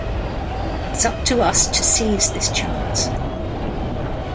It's up to us to seize this chance.